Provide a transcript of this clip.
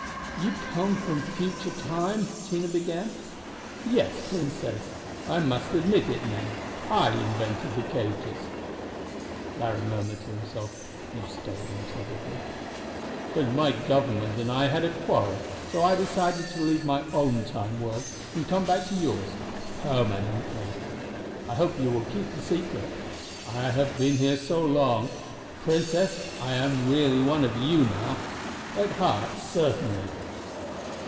"You come from future Time?" Tina began. "Yes, Princess! I must admit it now. I invented the cages." Larry murmured to himself, "You stole them, probably." "But my Government and I had a quarrel, so I decided to leave my own Time world and come back to yours permanently. I hope you will keep the secret. I have been here so long. Princess, I am really one of you now. At heart, certainly."